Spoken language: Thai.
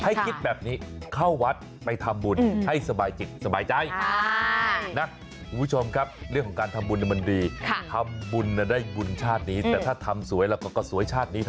คิดแบบนี้เข้าวัดไปทำบุญให้สบายจิตสบายใจนะคุณผู้ชมครับเรื่องของการทำบุญมันดีทำบุญได้บุญชาตินี้แต่ถ้าทำสวยแล้วก็สวยชาตินี้